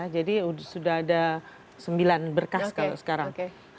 jadi sudah ada sembilan berkas sekarang